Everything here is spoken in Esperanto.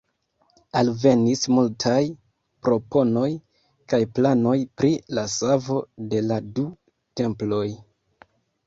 Alvenis multaj proponoj kaj planoj pri la savo de la du temploj.